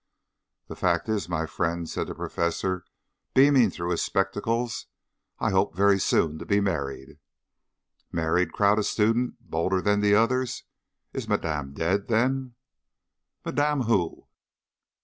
"The fact is, my friends," said the Professor, beaming through his spectacles, "I hope very soon to be married." "Married!" cried a student, bolder than the others "Is Madame dead, then?" "Madame who?"